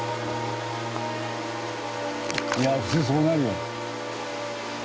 いや普通そうなるよ。